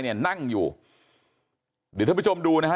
เนี่ยนั่งอยู่เดี๋ยวท่านผู้ชมดูนะฮะ